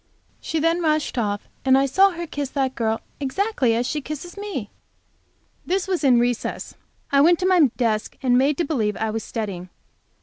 She then rushed off, and I saw her kiss that girl exactly as she kisses me! This was in recess. I went to my desk and made believe I was studying.